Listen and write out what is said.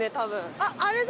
あっあれだ！